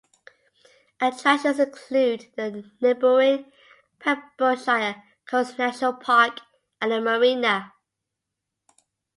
Attractions include the neighbouring Pembrokeshire Coast National Park and a marina.